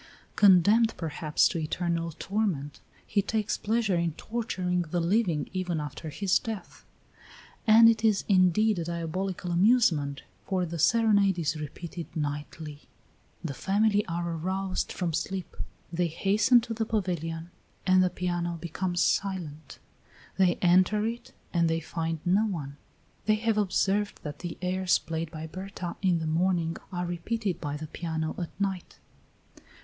Condemned perhaps to eternal torment, he takes pleasure in torturing the living even after his death. And it is indeed a diabolical amusement, for the serenade is repeated nightly; the family are aroused from sleep; they hasten to the pavilion and the piano becomes silent; they enter it and they find no one. They have observed that the airs played by Berta in the morning are repeated by the piano at night.